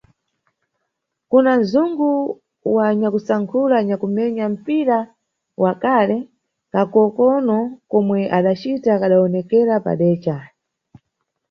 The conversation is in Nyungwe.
Kuna nzungu wa nyakusankhula anyakumenya mpira wa kale, kakokokono komwe adacita kadawonekera padeca.